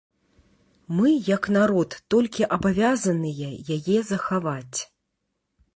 Мы як народ толькі абавязаныя яе захаваць.